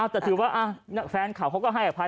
แต่ถือว่าแฟนเขาเขาก็ให้อภัย